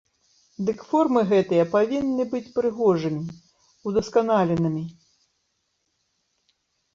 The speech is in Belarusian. Дык формы гэтыя павінны быць прыгожымі, удасканаленымі.